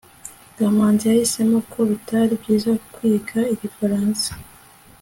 kamanzi yahisemo ko bitari byiza kwiga igifaransa